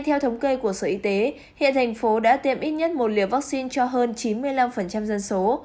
theo thống kê của sở y tế hiện thành phố đã tiêm ít nhất một liều vaccine cho hơn chín mươi năm dân số